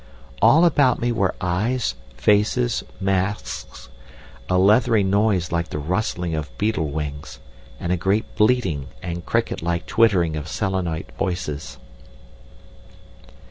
All about me were eyes, faces, masks, a leathery noise like the rustling of beetle wings, and a great bleating and cricket like twittering of Selenite voices."